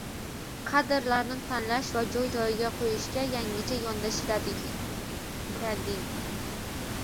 Kadrlarni tanlash va joy-joyiga qo‘yishga yangicha yondashilading